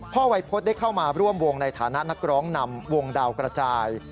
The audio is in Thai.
วัยพฤษได้เข้ามาร่วมวงในฐานะนักร้องนำวงดาวกระจาย